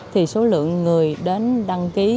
thì số lượng người đến đăng ký